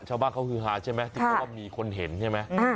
ชาวบ้านเขาฮือหาใช่ไหมใช่ที่ก็มีคนเห็นใช่ไหมอ่า